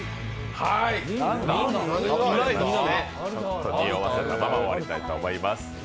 ちょっとにおわせたまま終わりたいと思います。